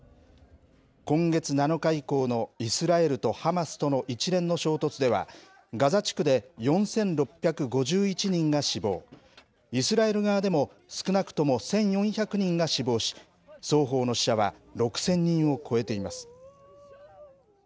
今月７日以降のイスラエルとハマスとの一連の衝突では、ガザ地区で４６５１人が死亡、イスラエル側でも少なくとも１４００人が死亡し、双方の死者は６０００人を超えています。